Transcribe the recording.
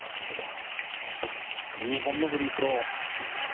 ２本のフリースロー。